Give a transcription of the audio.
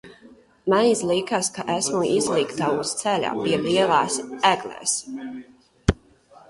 Man izlikās, ka esmu izlikta uz ceļa pie lielās egles.